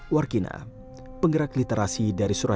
warkina penggerak literasi dari surabaya